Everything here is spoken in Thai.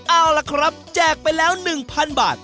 เอาล่ะครับแจกไปแล้ว๑๐๐๐บาท